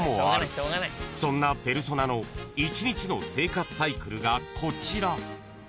［そんなペルソナの１日の生活サイクルがこちら］